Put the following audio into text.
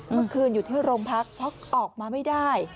เมื่อคืนอยู่ที่โรงพักเพราะออกมาไม่ได้